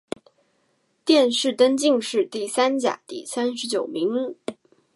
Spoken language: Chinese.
殿试登进士第三甲第三十九名。